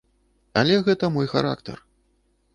Але гэта мой характар.